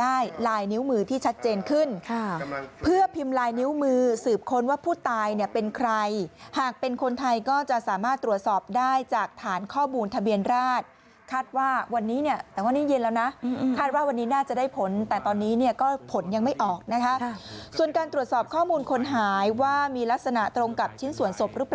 ได้ลายนิ้วมือที่ชัดเจนขึ้นค่ะเพื่อพิมพ์ลายนิ้วมือสืบค้นว่าผู้ตายเนี่ยเป็นใครหากเป็นคนไทยก็จะสามารถตรวจสอบได้จากฐานข้อมูลทะเบียนราชคาดว่าวันนี้เนี่ยแต่วันนี้เย็นแล้วนะคาดว่าวันนี้น่าจะได้ผลแต่ตอนนี้เนี่ยก็ผลยังไม่ออกนะคะส่วนการตรวจสอบข้อมูลคนหายว่ามีลักษณะตรงกับชิ้นส่วนศพหรือเปล่า